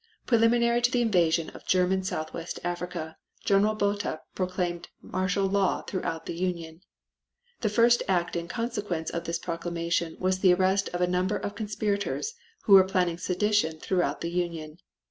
Preliminary to the invasion of German Southwest Africa, General Botha proclaimed martial law throughout the Union. The first act in consequence of this proclamation was the arrest of a number of conspirators who were planning sedition throughout the Union.